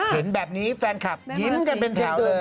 เห็นแบบนี้แฟนคลับยิ้มกันเป็นแถวเลย